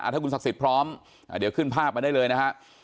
ถ้าคุณศักดิ์สิทธิ์พร้อมเดี๋ยวขึ้นภาพมาได้เลยนะฮะ